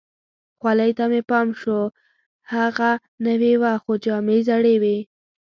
خولۍ ته مې پام شو، هغه نوې وه، خو جامې زړې وي.